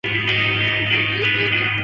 飞龙再次胜出豁免赛。